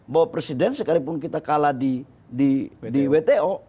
bahwa presiden sekalipun kita kalah di wto